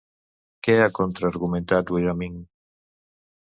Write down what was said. Què ha contraargumentat Wyoming?